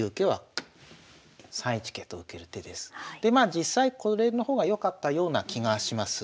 実際これの方がよかったような気がします。